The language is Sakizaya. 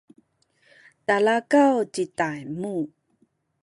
talakaw ci Taymu